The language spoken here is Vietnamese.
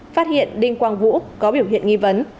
phát hiện đinh quang vũ có biểu hiện nghi vấn